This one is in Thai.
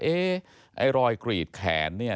ไอ้รอยกรีดแขนเนี่ย